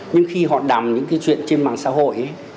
nhưng khi họ đàm những cái chuyện trên mạng xã hội ấy